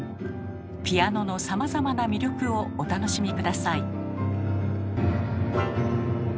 ピアノのさまざまな魅力をお楽しみ下さい。